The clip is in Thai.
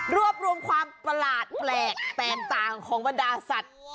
รวบรวมความประหลาดแปลกแตกต่างของบรรดาสัตว์